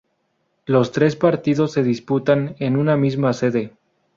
Los tres partidos se disputan en una misma sede.